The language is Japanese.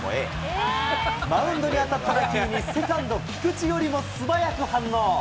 マウンドに当たった打球にセカンド菊池よりも素早く反応。